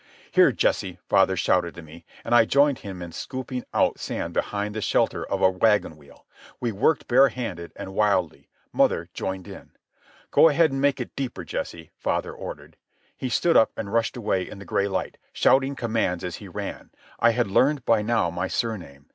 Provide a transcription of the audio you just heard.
"Here, Jesse!" father shouted to me, and I joined him in scooping out sand behind the shelter of a wagon wheel. We worked bare handed and wildly. Mother joined in. "Go ahead and make it deeper, Jesse," father ordered, He stood up and rushed away in the gray light, shouting commands as he ran. (I had learned by now my surname.